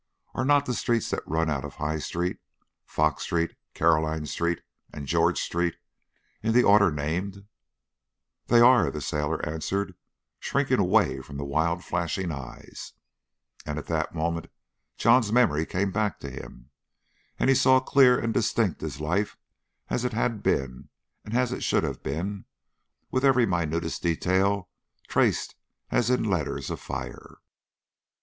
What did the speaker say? Are not the streets that run out of the High Street, Fox Street, Caroline Street, and George Street, in the order named?" "They are," the sailor answered, shrinking away from the wild flashing eyes. And at that moment John's memory came back to him, and he saw clear and distinct his life as it had been and as it should have been, with every minutest detail traced as in letters of fire.